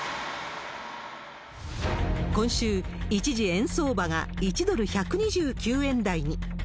今週、一時円相場が１ドル１２９円台に。